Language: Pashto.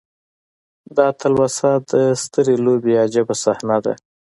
دا تلوسه د سترې لوبې عجیبه صحنه ده.